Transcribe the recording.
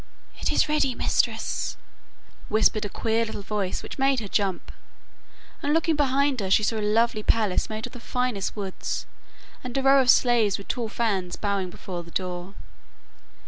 'It is ready, mistress,' whispered a queer little voice which made her jump, and, looking behind her, she saw a lovely palace made of the finest woods, and a row of slaves with tall fans bowing before the door.